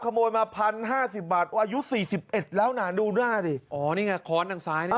ขโมยมา๑๐๕๐บาทอายุ๔๑แล้วน่ะดูหน้าดิอ๋อนี่ไงคอนทางซ้ายนี่